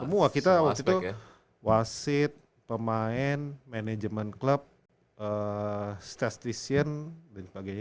semua kita waktu itu wasit pemain management club statistician dan sebagainya